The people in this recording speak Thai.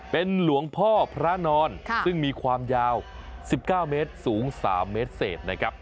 เป็นหลวงพ่อพระนอนซึ่งมีความยาว๑๙เมศสูง๓๓เมตร